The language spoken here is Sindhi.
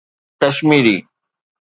ڪشميري